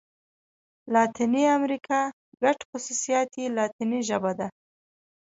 لاتیني امريکا ګډ خوصوصیات یې لاتيني ژبه ده.